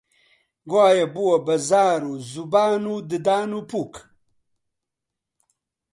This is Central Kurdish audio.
گۆیا بووە بە زار و زوبان و ددان و پووک: